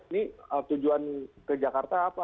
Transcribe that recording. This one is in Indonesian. ini tujuan ke jakarta apa